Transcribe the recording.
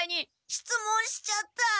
しつもんしちゃった。